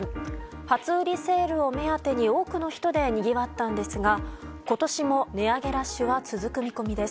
初売りセールを目当てに多くの人でにぎわったんですが、今年も値上げラッシュは続く見込みです。